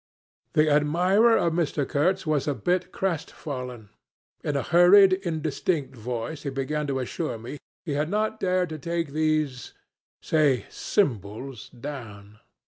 "The admirer of Mr. Kurtz was a bit crestfallen. In a hurried, indistinct voice he began to assure me he had not dared to take these say, symbols down.